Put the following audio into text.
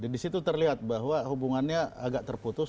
di situ terlihat bahwa hubungannya agak terputus